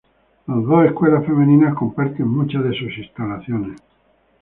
Las dos escuelas femeninas comparten muchas de sus instalaciones.